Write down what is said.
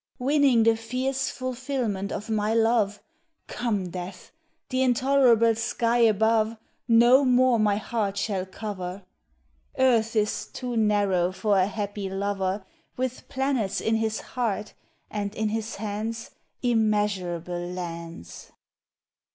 Winning the fierce fulfilment of my love, Come Death ! th' intolerable sky above No more my heart shall cover ; Earth is too narrow for a happy lover With planets in his heart and in his hands Immeasurable lands.